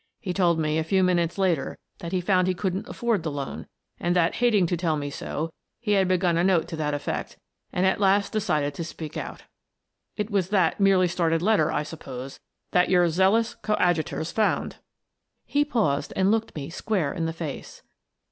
He told me a few minutes later that he found he couldn't afford the loan, and that, hating to tell me so, he had begun a note to that effect, and at last decided to speak out. It was that merely started letter, I suppose, that your zealous coadju tors found." He paused and looked me square in the face.